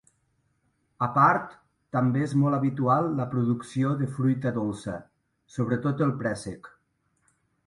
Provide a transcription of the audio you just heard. A part, també és molt habitual la producció de fruita dolça, sobretot, el préssec.